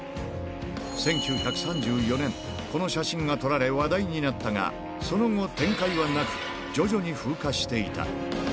１９３４年、この写真が撮られ、話題になったが、その後、展開はなく徐々に風化していた。